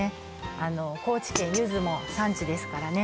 あの高知県柚子も産地ですからね